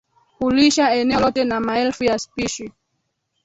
hulisha eneo lote na maelfu ya spishi